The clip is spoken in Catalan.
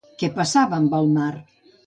Què passava amb el mar?